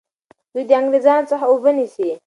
دوی د انګریزانو څخه اوبه نیسي.